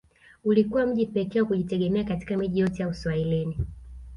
Ulikuwa mji pekee wa kujitegemea kati ya miji yote ya Uswahilini